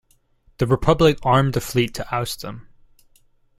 The Republic armed a fleet to oust them.